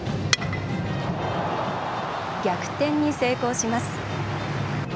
逆転に成功します。